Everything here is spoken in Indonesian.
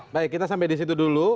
baik kita sampai di situ dulu